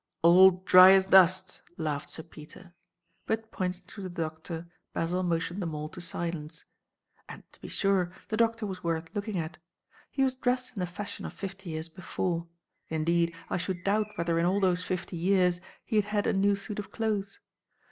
"Old dryasdust!" laughed Sir Peter. But pointing to the Doctor, Basil motioned them all to silence. And, to be sure, the Doctor was worth looking at. He was dressed in the fashion of fifty years before. Indeed, I should doubt whether in all those fifty years he had had a new suit of clothes.